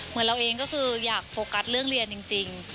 เราเองก็คืออยากโฟกัสเรื่องเรียนจริง